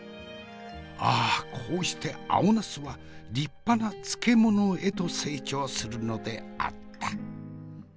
ああこうして青ナスは立派な漬物へと成長するのであった。